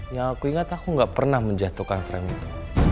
yang aku ingat aku gak pernah menjatuhkan frame itu